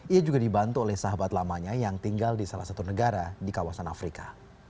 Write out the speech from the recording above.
ia juga dibantu oleh sahabat lamanya yang tinggal di salah satu negara di kawasan afrika